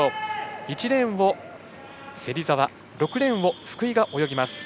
１レーンを芹澤６レーンを福井が泳ぎます。